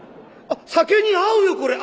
あっ酒に合うよこれ！